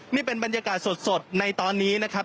นี่เป็นบรรยากาศสดในตอนนี้นะครับ